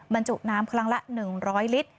บรรจุน้ำครั้งละ๑๐๐ลิตร